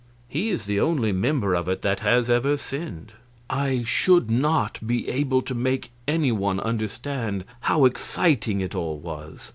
He is the only member of it that has ever sinned." I should not be able to make any one understand how exciting it all was.